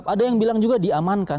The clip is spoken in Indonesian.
ada yang bilang juga diamankan